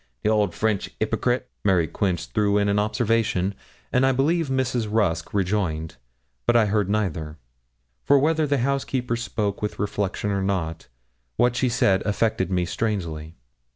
The old French hypocrite!' Mary Quince threw in an observation, and I believe Mrs. Rusk rejoined, but I heard neither. For whether the housekeeper spoke with reflection or not, what she said affected me strangely.